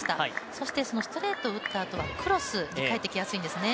そしてストレートを打ったあと、クロス、入ってきやすいんですね。